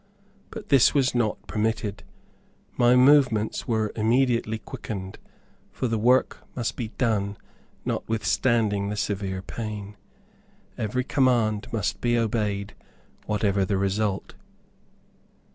But this was not permitted. My movements were immediately quickened, for the work must be done notwithstanding the severe pain. Every command must be obeyed whatever the result.